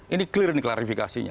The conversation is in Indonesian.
ini clear nih klarifikasinya